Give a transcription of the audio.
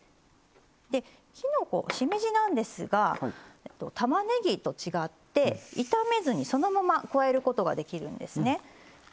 しめじなんですがたまねぎと違って炒めずにそのまま加えることができるんですね。